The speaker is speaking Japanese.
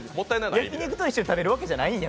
焼き肉と一緒に食べるわけやないんや？